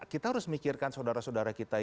kita harus mikirkan saudara saudara kita